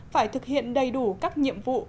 phải thực hiện đầy đủ các nhiệm vụ